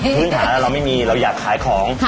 พื้นฐานเราไม่มีเราอยากขายของ